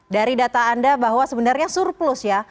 dari data anda bahwa sebenarnya surplus ya